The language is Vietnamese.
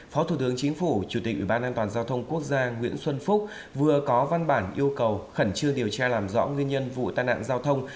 phó thủ tướng chính phủ chủ tịch ủy ban an toàn giao thông quốc gia nguyễn xuân phúc vừa có văn bản yêu cầu khẩn trương điều tra làm rõ nguyên nhân vụ tai nạn giao thông